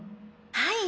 はい！